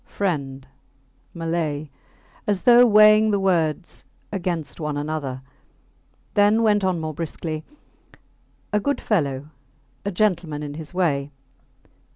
Friend, Malay, as though weighing the words against one another, then went on more briskly A good fellow a gentleman in his way.